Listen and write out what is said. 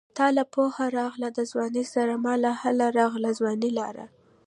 تاله پوهه راغله د ځوانۍ سره ماله هله راغله چې ځواني لاړه